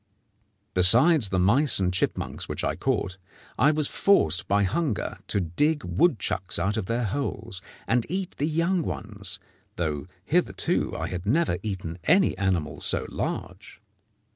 Besides the mice and chipmunks which I caught, I was forced by hunger to dig woodchucks out of their holes, and eat the young ones, though hitherto I had never eaten any animal so large.